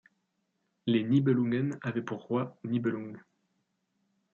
Les Nibelungen avaient pour roi Nibelung.